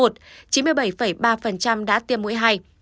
chín mươi bảy ba đã tiêm mũi hai